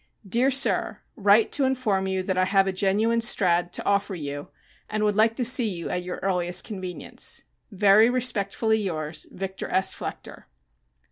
Dear Sir: Write to inform you that I have a genuine Strad. to offer you and would like to see you at your earliest convenience. Very respectfully yours, VICTOR S. FLECHTER.